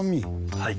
はい。